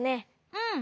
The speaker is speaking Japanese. うん。